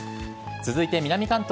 続いて南関東。